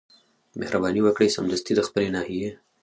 مهرباني وکړئ سمدستي د خپلي ناحيې